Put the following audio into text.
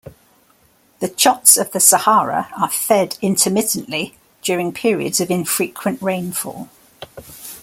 The chotts of the Sahara are fed intermittently during periods of infrequent rainfall.